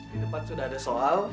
di depan sudah ada soal